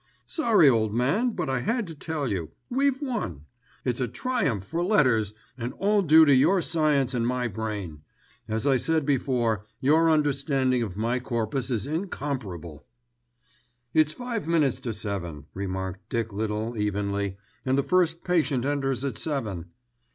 "Sorry, old man; but I had to tell you. We've won. It's a triumph for Letters, and all due to your science and my brain. As I said before, your understanding of my corpus is incomparable." "It's five minutes to seven," remarked Dick Little evenly, "and the first patient enters at seven."